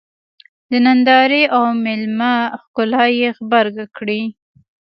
د نندارې او مېلمه ښکلا یې غبرګه کړې.